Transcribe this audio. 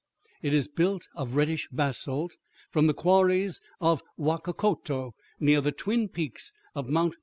It is built of reddish basalt from the quarries of Huaccoto, near the twin peaks of Mt.